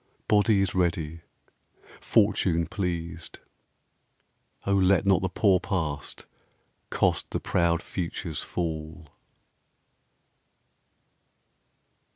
Body is ready, Fortune pleased; O let Not the poor Past cost the proud Future's fall.